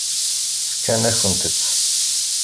Fkan-akent-t.